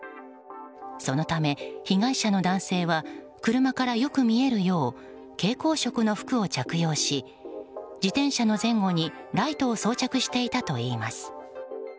そのため、被害者の男性は車からよく見えるよう蛍光色の服を着用し自転車の前後にライトを装着していたといいます。